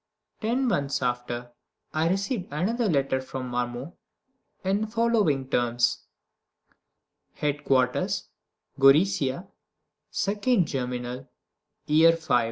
Ten months after, I received another letter from Marmont, in the following terms: HEADQUARTERS GORIZIA 2d Germinal, year V.